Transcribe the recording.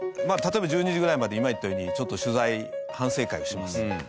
まあ例えば１２時ぐらいまで今言ったようにちょっと取材反省会をします。